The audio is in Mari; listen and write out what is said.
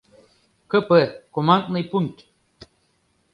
КП — командный пункт.